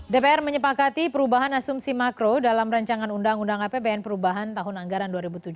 dpr menyepakati perubahan asumsi makro dalam rancangan undang undang apbn perubahan tahun anggaran dua ribu tujuh belas